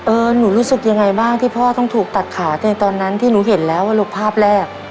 หนูรู้สึกยังไงบ้างที่พ่อต้องถูกตัดขาในตอนนั้นที่หนูเห็นแล้วว่าลูกภาพแรก